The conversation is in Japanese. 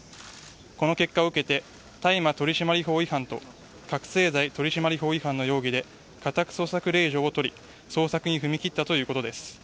この結果を受けて大麻取締法違反と覚醒剤取締法違反の容疑で家宅捜索令状を取り捜索に踏み切ったということです。